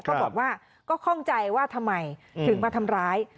ก็บอกว่าก็คล่องใจว่าทำไมถึงมาทำร้าย